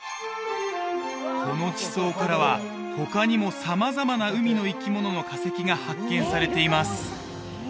この地層からは他にも様々な海の生き物の化石が発見されています